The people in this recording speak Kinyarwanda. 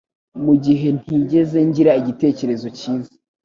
Mugihe ntigeze ngira igitekerezo cyiza